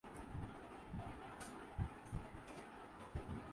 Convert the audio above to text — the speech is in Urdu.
اس نسل کی ایک جوڑی کی بولان کے پہاڑیوں میں بھی موجودگی کی اطلاعات ہے